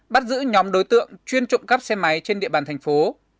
bắt giữ nhóm đối tượng chuyên trộm cắp xe máy trên địa bàn thành phố